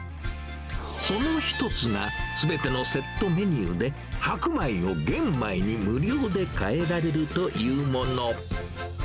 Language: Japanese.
その一つが、すべてのセットメニューで、白米を玄米に無料でかえられるというもの。